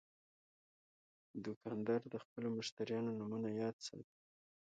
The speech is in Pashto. دوکاندار د خپلو مشتریانو نومونه یاد ساتي.